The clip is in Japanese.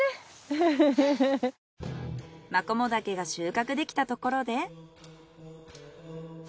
マコモダケが収穫できたところで。